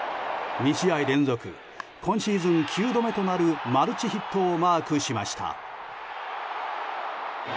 ２試合連続今シーズン９度目となるマルチヒットをマークしました。